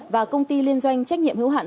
và công ty liên doanh trách nhiệm hữu hạn